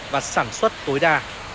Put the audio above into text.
và sản xuất tối đa